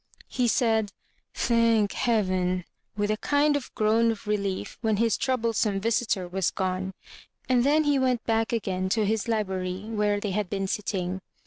He said, "Thank heaven !" with a kind of groan of relief when his troublesome visitor was gone. And then he went back again into his library, where they had been sitting.